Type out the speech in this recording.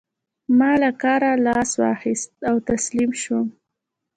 ما له کاره لاس واخيست او تسليم شوم.